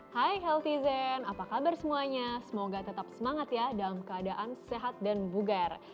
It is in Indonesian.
healthy zen apa kabar semuanya semoga tetap semangat ya dalam keadaan sehat dan bugar